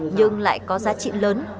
nhưng lại có giá trị lớn